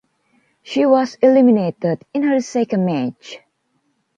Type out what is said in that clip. She was eliminated in her second match.